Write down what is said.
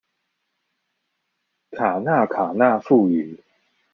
卡那卡那富語